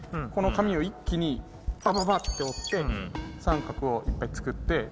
この紙を一気にパパパって折って三角をいっぱい作って。